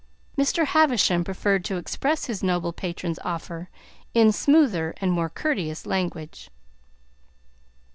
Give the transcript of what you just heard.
Mr. Havisham preferred to express his noble patron's offer in smoother and more courteous language.